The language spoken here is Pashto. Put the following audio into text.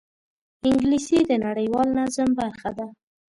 انګلیسي د نړیوال نظم برخه ده